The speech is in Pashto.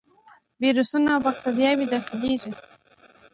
ویروسونه او باکتریاوې داخليږي.